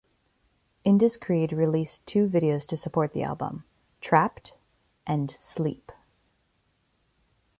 Indus Creed released two videos to support the album: "Trapped" and "Sleep".